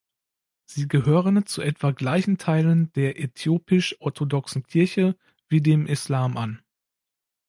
Sie gehören zu etwa gleichen Teilen der äthiopisch-orthodoxen Kirche wie dem Islam an.